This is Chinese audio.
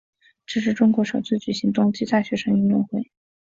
这是中国首次举行冬季大学生运动会。